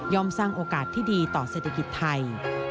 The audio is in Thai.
สร้างโอกาสที่ดีต่อเศรษฐกิจไทย